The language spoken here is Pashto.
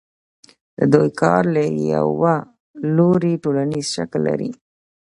د دوی کار له یوه لوري ټولنیز شکل لري